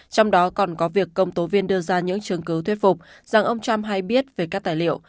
trong đó còn có việc công tố viên đưa ra những chứng cứ thuyết phục rằng ông trump hay biết về các tài liệu